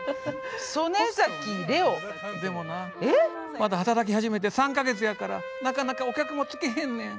まだ働き始めて３か月やからなかなかお客も来てへんねん。